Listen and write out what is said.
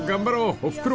［おふくろ